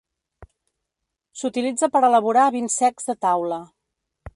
S'utilitza per elaborar vins secs de taula.